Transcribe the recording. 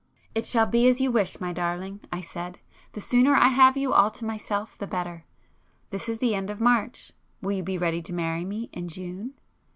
"It shall be as you wish, my darling," I said—"The sooner I have you all to myself the better. This is the end of March,—will you be ready to marry me in June?"